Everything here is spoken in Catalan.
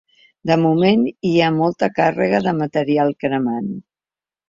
De moment hi ha molta càrrega de material cremant.